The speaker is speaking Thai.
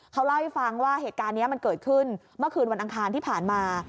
เขาเล่าให้ฟังว่าเหตุการณ์นี้มันเกิดขึ้นเมื่อคืนวันอังคารที่ผ่านมา